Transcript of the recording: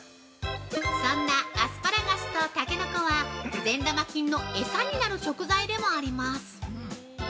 ◆そんなアスパラガスとたけのこは、善玉菌の餌になる食材でもあります。